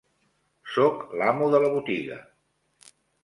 Soc l'amo de la botiga.